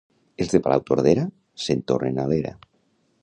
Els de Palautordera se'n tornen a l'era